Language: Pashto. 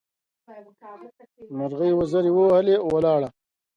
مرغۍ وزرې ووهلې؛ ولاړه.